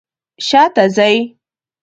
شاته ځئ